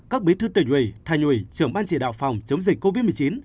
các bí thư tỉnh ủy thành ủy trưởng ban chỉ đạo phòng chống dịch covid một mươi chín